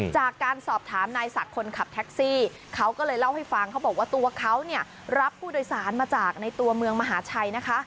จากการสอบถามนายศักดิ์คนขับแท็กซี่เขาก็เลยเล่าให้ฟังเขาบอกว่าตัวเขาเนี่ยรับผู้โดยสารมาจากในตัวเมืองมหาชัยนะคะ